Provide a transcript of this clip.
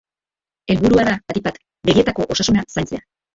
Helburua da, batik bat, begietako osasuna zaintzea.